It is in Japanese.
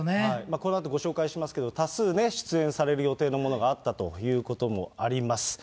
このあとご紹介しますけど、多数ね、出演される予定のものがあったということもあります。